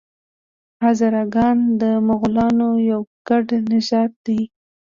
هزاره ګان د مغولانو یو ګډ نژاد دی.